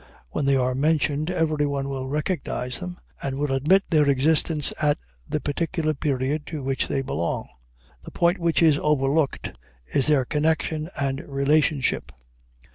When they are mentioned everyone will recognize them, and will admit their existence at the particular period to which they belong. The point which is overlooked is their connection and relationship.